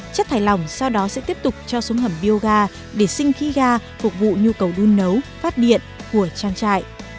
chất thải lỏng sau đó sẽ tiếp tục cho xuống hầm bioga để sinh khí ga phục vụ nhu cầu đun nấu phát điện của trang trại